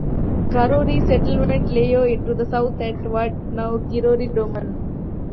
Karioi settlement lay to the south at what is now Karioi Domain.